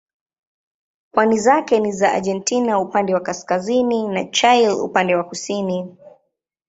Pwani zake ni za Argentina upande wa kaskazini na Chile upande wa kusini.